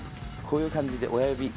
こういう感じで親指。